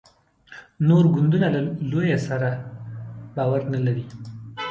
نور ګوندونه له لویه سره باور نه لري.